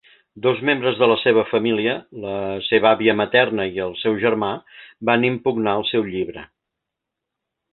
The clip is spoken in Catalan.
Dos membres de la seva família, la seva àvia materna i el seu germà, van impugnar el seu llibre.